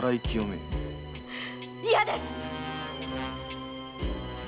嫌ですっ‼